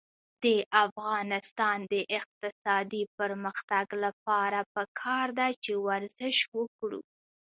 د افغانستان د اقتصادي پرمختګ لپاره پکار ده چې ورزش وکړو.